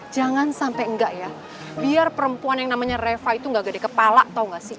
jangan sampai enggak ya biar perempuan yang namanya reva itu nggak gede kepala tau gak sih